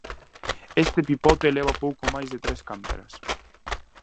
Este pipote leva pouco máis de tres cántaras.